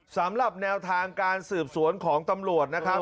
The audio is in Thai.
สำหรับแนวทางการสืบสวนของตำรวจนะครับ